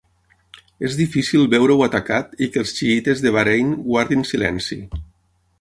És difícil veure-ho atacat i que els xiïtes de Bahrain guardin silenci.